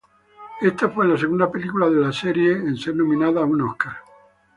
Ésta fue la segunda película de la serie en ser nominada a un Óscar.